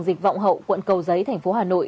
dịch vọng hậu quận cầu giấy thành phố hà nội